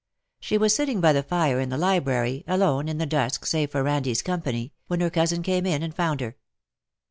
She was sitting by the fire in the library, alone in the dusk save for Handlers company, when her cousin came in and found her.